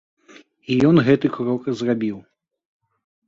І ён гэты крок зрабіў.